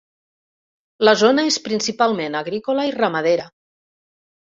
La zona és principalment agrícola i ramadera.